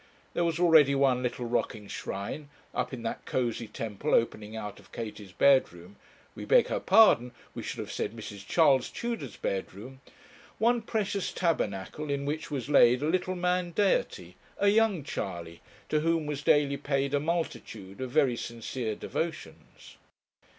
There was already one little rocking shrine, up in that cosy temple opening out of Katie's bedroom we beg her pardon, we should have said Mrs. Charles Tudor's bedroom one precious tabernacle in which was laid a little man deity, a young Charley, to whom was daily paid a multitude of very sincere devotions.